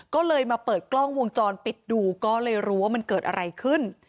ก็เลยมาเปิดกล้องวงจรปิดดูก็เลยรู้ว่ามันเกิดอะไรขึ้น